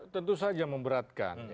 tentu saja memberatkan